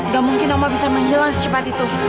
gak mungkin mama bisa menghilang secepat itu